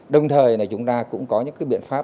đồng thời chúng ta cũng có những biện pháp